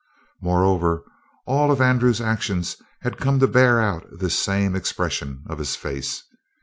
Moreover, all of Andrew's actions had come to bear out this same expression of his face.